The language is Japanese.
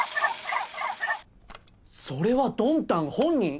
「それはドンタン本人」！？